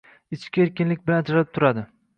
ichki erkinlik bilan ajralib turadi: